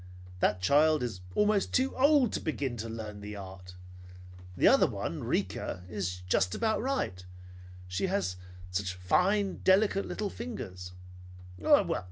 That child is almost too old to begin to learn the art. The other one, Rika, is just about right; and she has such fine, delicate, little fingers.